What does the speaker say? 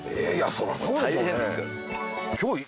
そりゃそうでしょうね。